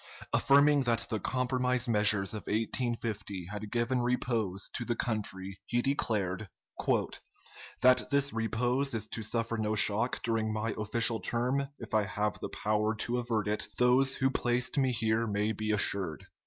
Affirming that the compromise measures of 1850 had given repose to the country, he declared, "That this repose is to suffer no shock during my official term, if I have the power to avert it, those who placed me here may be assured."